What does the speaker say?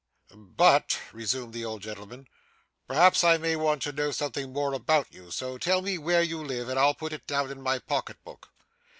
' But,' resumed the old gentleman, 'perhaps I may want to know something more about you, so tell me where you live, and I'll put it down in my pocket book.